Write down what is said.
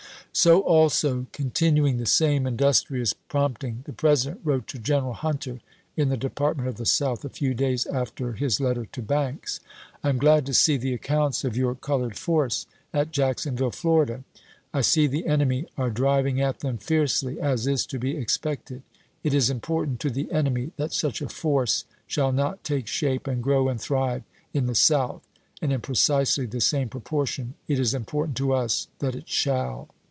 So also, continuing the same industrious prompt ing, the President wrote to General Hunter in the Department of the South a few days after his letter to Banks : "I am glad to see the accounts of your Lincoln to Banks, March 29, 1863. MS. Banks to Lincoln, Aug. 17, 1863. MS. 456 ABEAHAM LINCOLN Chap. XX. colored foi'ce at Jacksonville, Florida. I see tlie eiiem}' are driving at them fiercely, as is to be ex pected. It is important to the enemy that such a force shall not take shape and grow and thrive in the South, and in precisely the same proportion it is im portant to us that it shall.